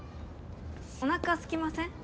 おなかすきません？